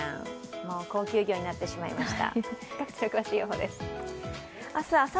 もう高級魚になってしまいました。